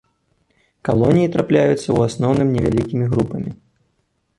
Калоніі трапляюцца ў асноўным невялікімі групамі.